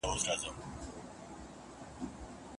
کبرجن د خدای ج دښمن دئ.